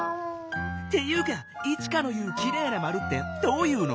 っていうかイチカの言う「きれいなまる」ってどういうの？